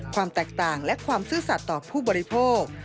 ความแตกต่างและความซื่อสัตว์ต่อผู้บริโภค